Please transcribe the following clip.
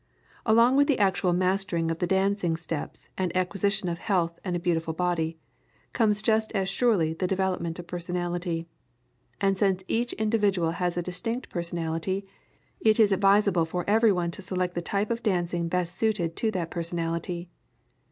Along with the actual mastering of the dancing steps and acquisition of health and a beautiful body, comes just as surely the development of personality. And since each individual has a distinct personality it is advisable for everyone to select the type of dancing best suited to that personality.